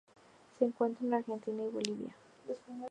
Se encuentra en Argentina y Bolivia.